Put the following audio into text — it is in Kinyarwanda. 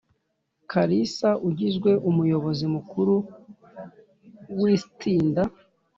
Kalisa agizwe Umuyobozi mukuru w’istinda